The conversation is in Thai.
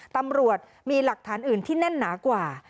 ตำรวจมีหลักฐานอื่นที่แน่นหนากว่า